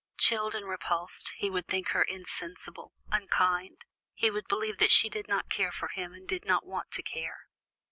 Chilled and repulsed, he would think her insensible, unkind; he would believe that she did not care for him, and did not want to care.